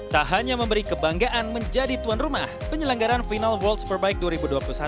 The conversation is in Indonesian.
tak hanya memberi kebanggaan menjadi tuan rumah penyelenggaran final world superbike dua ribu dua puluh satu